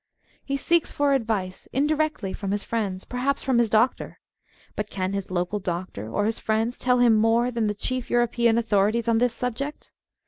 He seeks for advice indirectly from his friends, perhaps from his doctor. But can his local doctor or his friends tell him more than the chief European authorities on this subject.''